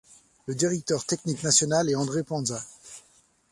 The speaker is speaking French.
Le directeur technique national est André Panza.